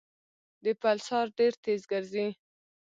د پلسار ډېر تېز ګرځي.